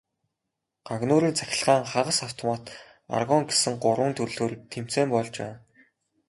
Гагнуурын цахилгаан, хагас автомат, аргон гэсэн гурван төрлөөр тэмцээн болж байна.